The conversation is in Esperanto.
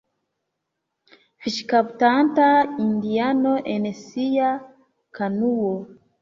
Fiŝkaptanta indiano en sia kanuo.